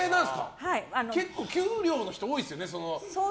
結構給料の人多いいですよね